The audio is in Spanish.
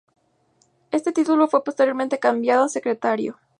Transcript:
Ese título fue posteriormente cambiado a secretario.